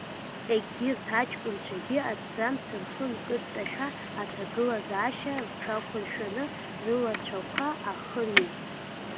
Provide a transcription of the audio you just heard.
Егьырҭ ачкәынцәагьы аҭӡамц рхы нкыдҵашәа аҭагылазаашьа рҽақәыршәаны рылацәақәа аахырҩеит.